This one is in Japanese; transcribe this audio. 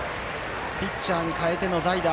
ピッチャーに代えての代打。